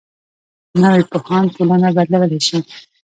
نوی پوهاند ټولنه بدلولی شي